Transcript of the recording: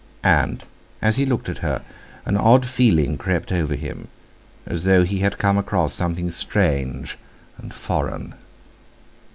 And, as he looked at her, an odd feeling crept over him, as though he had come across something strange and foreign.